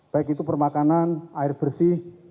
baik itu permakanan air bersih